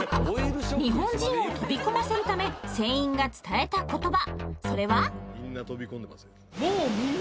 日本人を飛び込ませるため船員が伝えた言葉。